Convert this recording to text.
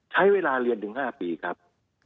ใช้เวลาเรียนถึง๕ปีครับ